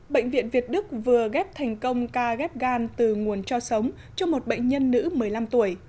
bệnh viện việt đức vừa ghép thành công ca ghép gan từ nguồn cho sống cho một bệnh nhân nữ một mươi năm tuổi